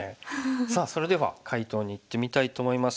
さあそれでは解答にいってみたいと思います。